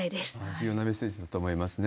重要なメッセージだと思いますね。